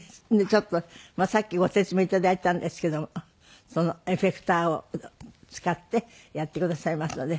ちょっとまあさっきご説明いただいたんですけどもそのエフェクターを使ってやってくださいますので。